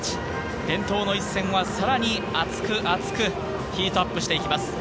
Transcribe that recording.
伝統の一戦はさらに熱く熱くヒートアップしていきます。